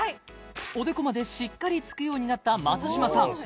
おでこまでしっかりつくようになった松嶋さん